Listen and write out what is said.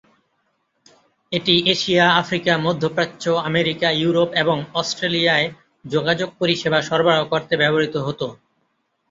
এটি Asia, Africa, মধ্য প্রাচ্য, আমেরিকা, ইউরোপ এবং অস্ট্রেলিয়ায় যোগাযোগ পরিষেবা সরবরাহ করতে ব্যবহৃত হতো।